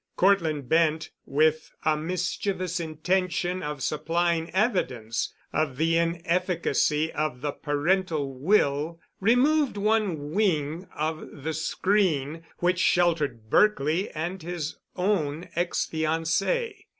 Cortland Bent, with a mischievous intention of supplying evidence of the inefficacy of the parental will, removed one wing of the screen which sheltered Berkely and his own ex fiancée.